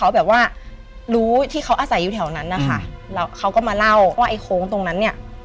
มาเล่าว่าไอ้โค้งตรงนั้นเนี่ย